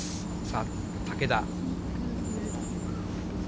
さあ、竹田。